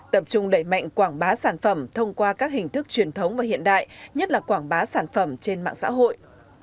tập trung đẩy mạnh quảng bá sản phẩm thông qua các hình thức truyền thống và hiện đại nhất là quảng bá sản phẩm trên mạng xã hội